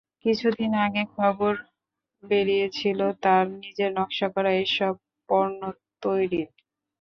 কিছুদিন আগেই খবর বেরিয়েছিল তাঁর নিজের নকশা করা এসব পণ্য তৈরির।